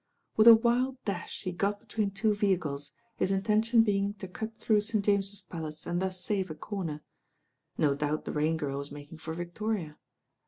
With a wild dash he got between two vehicles, his intention being to cut through St. James's Palace and thus save a corner. No doubt the Rain Girl was making for Victoria.